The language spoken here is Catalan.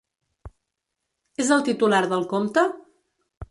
És el titular del compte?